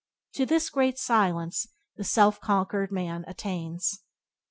To this great silence the self conquered man attains.